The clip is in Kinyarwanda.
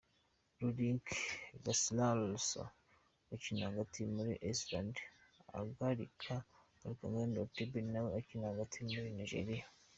Rurik Gislaso ukina hagati muri Iceland agarika Oghenekaro Etebo nawe ukina hagati muri Nigeria .